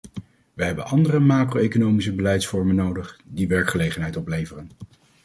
We hebben andere macro-economische beleidsvormen nodig, die werkgelegenheid opleveren.